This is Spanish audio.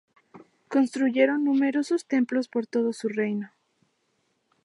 Construyeron numerosos templos por todo su reino.